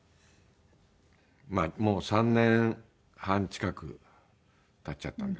もう３年半近く経っちゃったんですけど。